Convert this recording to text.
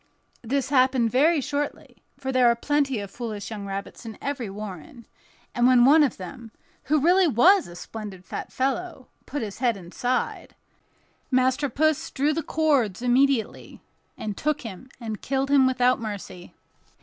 This happened very shortly, for there are plenty of foolish young rabbits in every warren; and when one of them, who really was a splendid fat fellow, put his head inside, Master Puss drew the cords immediately, and took him and killed him without mercy.